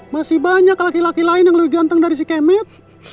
masih banyak laki laki lain yang lebih ganteng dari si kemit